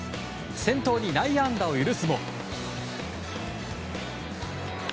先頭に内野安打を許すも。